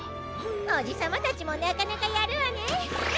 おじさまたちもなかなかやるわね。